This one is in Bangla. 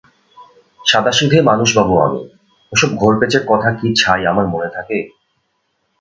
সাদাসিধে মানুষ বাবু আমি, ওসব ঘোরপ্যাচের কথা কি ছাই আমার মনে থাকে!